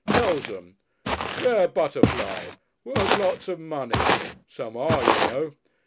Tells 'em. Rare butterfly, worth lots of money. Some are, you know.